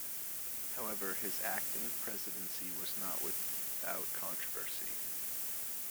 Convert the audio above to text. However, his acting presidency was not without controversy.